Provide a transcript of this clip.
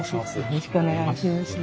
よろしくお願いします。